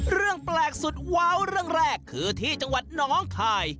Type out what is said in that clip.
เรื่องแปลกสุดว้าวเรื่องแรกคือที่จังหวัดน้องคาย